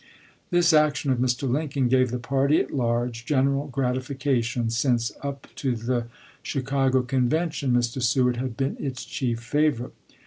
This action of Mr. Lincoln gave the party at large general grati fication, since up to the Chicago Convention Mr. Seward had been its chief favorite.